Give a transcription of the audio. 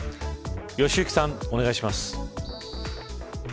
良幸さん、お願いします。